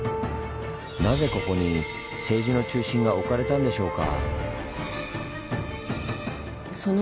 なぜここに政治の中心が置かれたんでしょうか？